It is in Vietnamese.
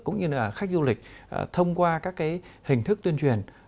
cũng như là khách du lịch thông qua các hình thức tuyên truyền